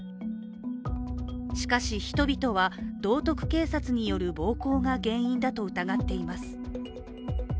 しかし人々は、道徳警察による暴行が原因だと疑っています。